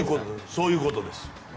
そういうことです。